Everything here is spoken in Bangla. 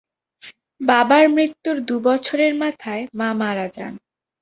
বাবার মৃত্যুর দু বছরের মাথায় মা মারা যান।